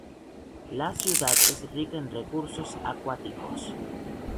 La ciudad es rica en recursos acuáticos.